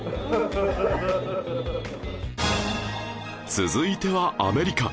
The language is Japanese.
続いてはアメリカ